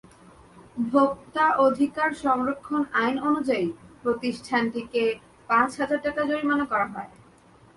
ভোক্তা অধিকার সংরক্ষণ আইন অনুযায়ী প্রতিষ্ঠানটিকে পাঁচ হাজার টাকা জরিমানা করা হয়।